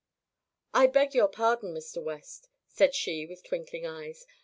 "I beg your pardon, Mr. West," said she with twinkling eyes.